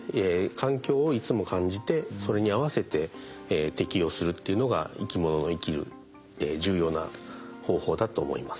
環境をいつも感じてそれに合わせて適応するっていうのが生き物の生きる重要な方法だと思います。